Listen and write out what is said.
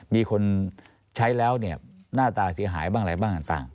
มีคนใช้แล้วหน้าตาเสียหายบ้างอะไรบ้างต่าง